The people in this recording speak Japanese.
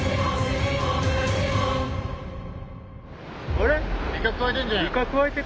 あれ？